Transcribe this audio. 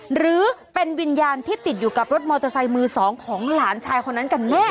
หรือเป็นวิญญาณที่ติดอยู่กับรถมอเตอร์ไซค์มือสองของหลานชายคนนั้นกันแน่